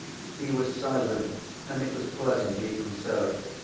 He was silent, and it was pleasant even so.